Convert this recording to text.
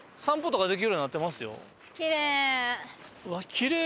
きれい！